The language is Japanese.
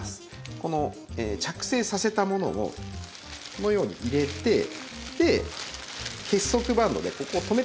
この着生させたものをこのように入れて結束バンドでここを留めてしまうんです。